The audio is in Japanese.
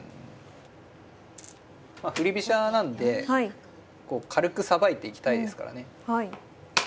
まあ振り飛車なんでこう軽くさばいていきたいですからね。